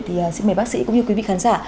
thì xin mời bác sĩ cũng như quý vị khán giả